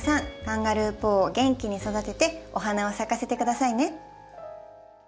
カンガルーポーを元気に育ててお花を咲かせて下さいね。